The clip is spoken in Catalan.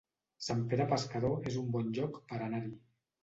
Sant Pere Pescador es un bon lloc per anar-hi